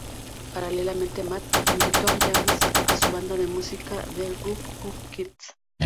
Paralelamente Matt invitó a James a su banda de música The Get Up Kids.